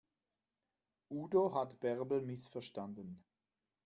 Udo hat Bärbel missverstanden.